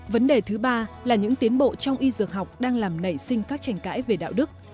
vấn đề thứ ba là những tiến bộ trong y dược học đang làm nảy sinh các tranh cãi về đạo đức